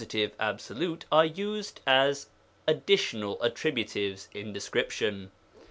absolute are used as addi tional attributives in description.